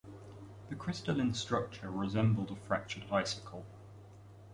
The crystalline structure resembled a fractured icicle.